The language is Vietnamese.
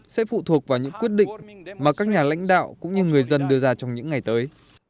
sẽ phụ thuộc vào những quyết định mà các nhà lãnh đạo cũng như người dân đưa ra trong những ngày tới